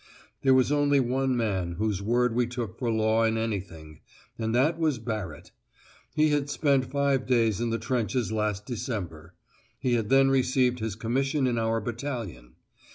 There was only one man whose word we took for law in anything, and that was Barrett. He had spent five days in the trenches last December; he had then received his commission in our battalion.